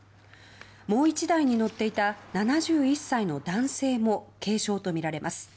もう１台に乗っていた７１歳の男性も軽傷とみられます。